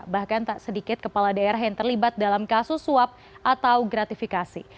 bahkan tak sedikit kepala daerah yang terlibat dalam kasus suap atau gratifikasi